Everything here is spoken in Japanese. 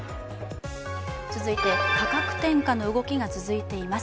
続いて、価格転嫁の動きが続いています。